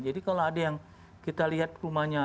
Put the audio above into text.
jadi kalau ada yang kita bawa ke rumah masing masing